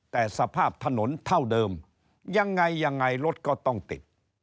แต่สภาพถนนเท่าเดิมยังไงยังไงรถก็ต้องติด